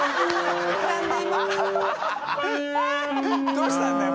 どうしたんだよ？